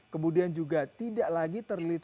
kemudian juga tidak lagi terlibat